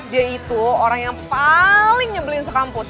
dia itu orang yang paling nyebelin sekampus